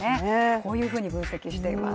こういうふうに分析しています。